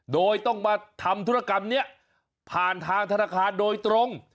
โดยต้องมาทำธุรกรรมนี้ผ่านทางธนาคารโดยตรง